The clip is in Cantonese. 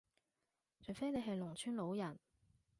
除非你係農村老人